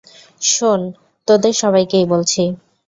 শোন, তোদের সবাইকেই বলছি।